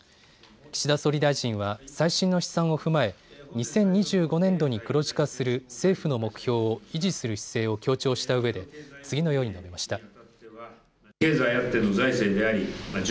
岸田総理大臣は最新の試算を踏まえ２０２５年度に黒字化する政府の目標を維持する姿勢を強調したうえで次のように述べました。